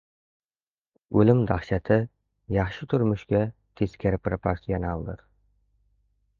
O‘lim dahshati yaxshi turmushga teskari proportsionaldir.